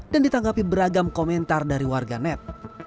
dan ditanggapi beragam komentar dari warga net